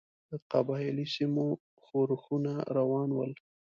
د قبایلي سیمو ښورښونه روان ول.